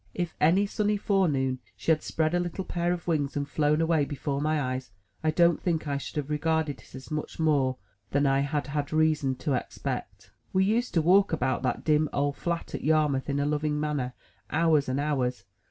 If, any sunny forenoon, she had spread a little pair of wings and flown away before my eyes, I don't think I should have regarded it as much more than I had had reason to expect. We used to walk about that dim old flat at Yarmouth in a loving manner, hours and hours.